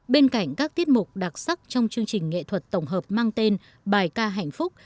bên cạnh các tiết mục đặc sắc trong chương trình nghệ thuật tổng hợp mang tên bài ca hạnh phúc